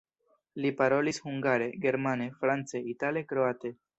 Li parolis hungare, germane, france, itale, kroate.